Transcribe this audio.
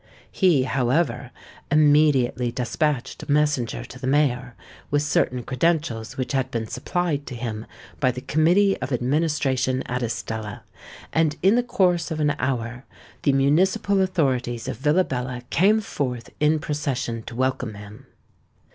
He, however, immediately despatched a messenger to the mayor, with certain credentials which had been supplied him by the Committee of Administration at Estella; and in the course of an hour the municipal authorities of Villabella came forth in procession to welcome him.